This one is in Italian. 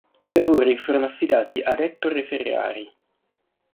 I lavori furono affidati ad Ettore Ferrari.